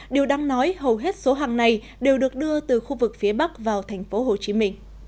điều đáng nói hầu hết số hàng này đều được đưa từ khu vực phía bắc vào tp hcm